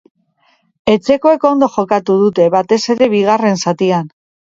Etxekoek ondo jokatu dute, batez ere bigarren zatian.